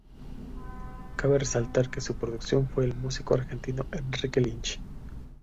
Cabe resaltar que su productor fue el músico argentino Enrique Lynch.